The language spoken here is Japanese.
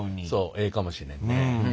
ええかもしれんね。